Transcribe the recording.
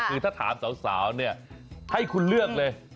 คือถ้าถามสาวเนี่ยให้คุณเลือกเลย